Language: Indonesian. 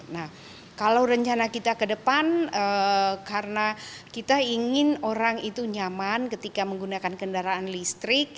nah kalau rencana kita ke depan karena kita ingin orang itu nyaman ketika menggunakan kendaraan listrik